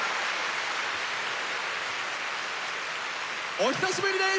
お久しぶりです！